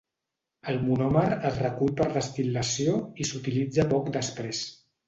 El monòmer es recull per destil·lació i s'utilitza poc després.